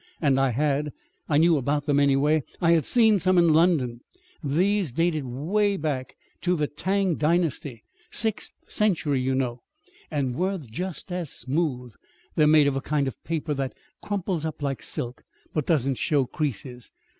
And I had. I knew about them, anyway. I had seen some in London. These dated 'way back to the Tang dynasty sixth century, you know and were just as smooth! They're made of a kind of paper that crumples up like silk, but doesn't show creases.